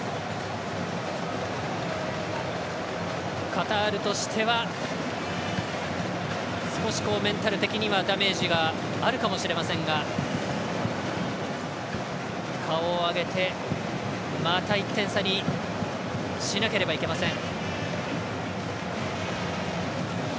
カタールとしては少しメンタル的にはダメージがあるかもしれませんが顔を上げて、また１点差にしなければいけません。